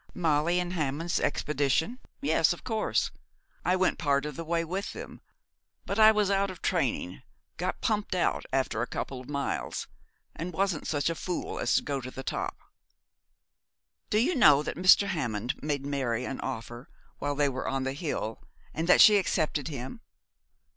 'Molly and Hammond's expedition, yes, of course. I went part of the way with them, but I was out of training, got pumped out after a couple of miles, and wasn't such a fool as to go to the top.' 'Do you know that Mr. Hammond made Mary an offer, while they were on the hill, and that she accepted him?'